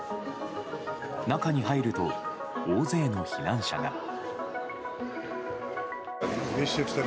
中に入ると大勢の避難者が。